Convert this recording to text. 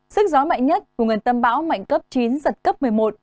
sức gió mạnh nhất của nguồn tâm bão mạnh cấp chín giật cấp một mươi một